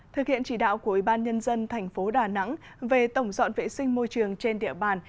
thực hiện chỉ đạo của ủy ban nhân dân thành phố đà nẵng về tổng dọn vệ sinh môi trường trên địa bàn